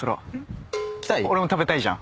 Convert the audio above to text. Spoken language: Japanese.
俺も食べたいじゃん。